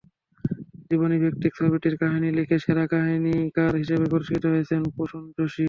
জীবনীভিত্তিক ছবিটির কাহিনি লিখে সেরা কাহিনিকার হিসেবে পুরস্কৃত হয়েছেন প্রসূন যোশি।